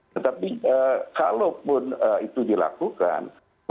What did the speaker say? tetapi kalaupun itu dilakukan